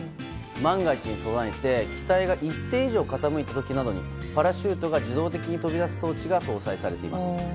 万が一に備えて機体が一定以上、傾いた時などにパラシュートが自動的に飛び出す装置が搭載されています。